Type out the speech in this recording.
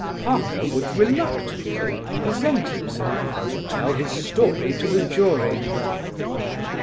Parker would reluctantly present himself to tell his story to the jury.